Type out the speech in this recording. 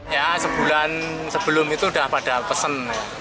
ya sebulan sebelum itu sudah pada pesen